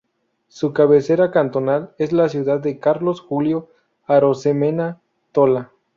Su cabecera cantonal es la ciudad de Carlos Julio Arosemena Tola.